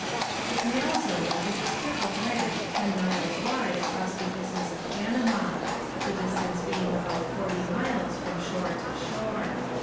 The Canal Zone is a strip of land ten miles wide across the Isthmus of Panama, the distance being about forty miles from shore to shore.